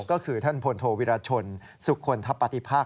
ก็คือท่านพลโทวิรชนสุขลทัพปฏิภาค